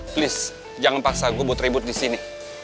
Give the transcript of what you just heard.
please jangan paksa gua buat ribut disini